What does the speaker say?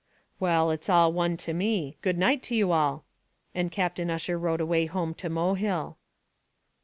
'" "Well, it's all one to me: good night to you all," and Captain Ussher rode away home to Mohill.